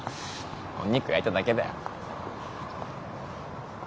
お肉焼いただけだよ。